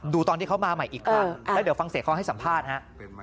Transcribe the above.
ดูตอนที่เขามาใหม่อีกครั้งแล้วเดี๋ยวฟังเสียงเขาให้สัมภาษณ์ฮะ